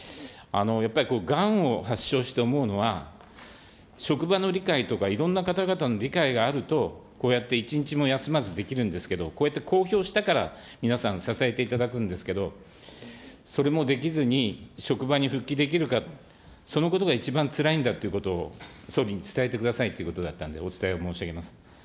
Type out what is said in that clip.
やっぱりがんを発症して思うのは、職場の理解とかいろんな方々の理解があると、こうやって一日も休まずできるんですけども、こうやって公表したから皆さん支えていただくんですけど、それもできずに職場に復帰できるか、そのことが一番つらいんだということを、総理に伝えてくださいということだったんで、お伝えを申し上げます。